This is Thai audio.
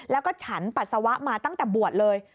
แล้วก็ฉันปัสสาวะมาตั้งแต่บวชเลย